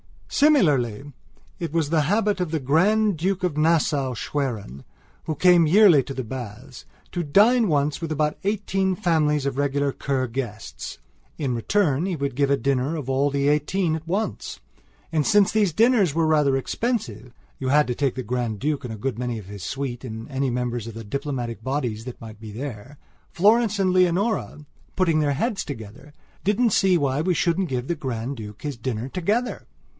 Similarly it was the habit of the Grand Duke of Nassau Schwerin, who came yearly to the baths, to dine once with about eighteen families of regular Kur guests. In return he would give a dinner of all the eighteen at once. And, since these dinners were rather expensive (you had to take the Grand Duke and a good many of his suite and any members of the diplomatic bodies that might be there)Florence and Leonora, putting their heads together, didn't see why we shouldn't give the Grand Duke his dinner together.